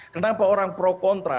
kenapa orang pro kontra